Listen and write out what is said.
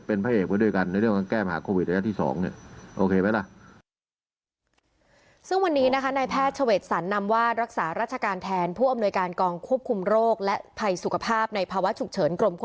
พระเอกไว้ด้วยกันในเรื่องการแก้มหาโควิดระยะที่๒